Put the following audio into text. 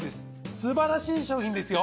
すばらしい商品ですよ。